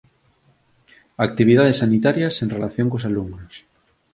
Actividades sanitarias en relación cos alumnos